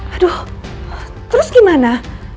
aduh terus gimana